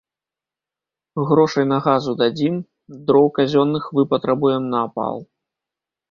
Грошай на газу дадзім, дроў казённых выпатрабуем на апал.